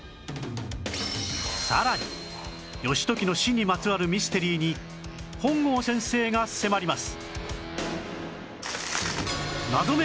さらに義時の死にまつわるミステリーに本郷先生が迫ります